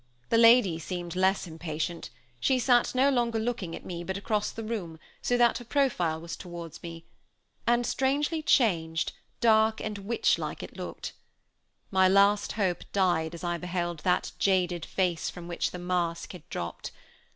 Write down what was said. The lady seemed less impatient; she sat no longer looking at me, but across the room, so that her profile was toward me and strangely changed, dark and witch like it looked. My last hope died as I beheld that jaded face from which the mask had dropped.